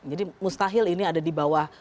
jadi mustahil ini ada di bawah